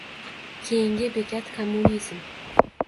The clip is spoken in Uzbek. “Keyingi bekat kommunizm”.